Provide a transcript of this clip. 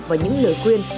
và những lời khuyên